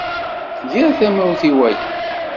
Tger tamawt i waya.